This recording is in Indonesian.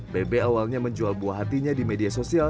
bebe awalnya menjual buah hatinya di media sosial